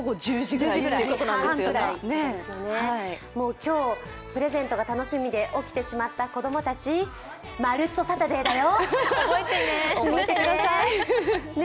今日、プレゼントが楽しみで起きちゃった子供たち、「まるっと！サタデー」だよ、覚えてね。